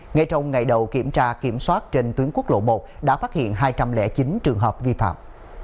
ngay trong ngày đầu kiểm tra kiểm soát trên tuyến quốc lộ một đã phát hiện hai trăm linh chín trường hợp vi phạm